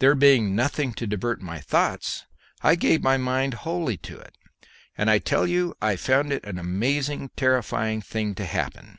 There being nothing to divert my thoughts, I gave my mind wholly to it, and I tell you I found it an amazing terrifying thing to happen.